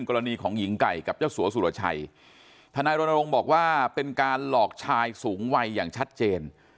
กรณีของหญิงไก่กับเจ้าสัวสุรชัยธนายรณรงค์บอกว่าเป็นการหลอกชายสูงวัยอย่างชัดเจน